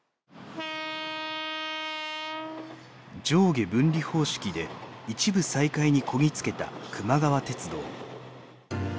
上下分離方式で一部再開にこぎ着けたくま川鉄道。